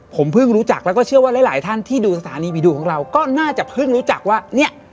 ผมเพิ่งรู้จักแล้วก็เชื่อว่าหลายท่านที่ดูสถานีผีดุของเราก็น่าจะเพิ่งรู้จักว่าเนี่ย